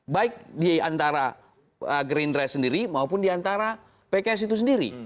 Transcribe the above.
baik diantara green dress sendiri maupun diantara pks itu sendiri